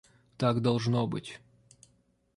Так должно быть.